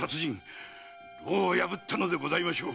牢を破ったのでございましょう。